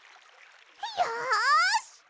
よし！